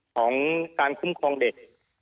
ของการคุ้มครองเด็ก